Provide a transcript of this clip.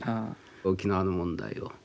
沖縄の問題を。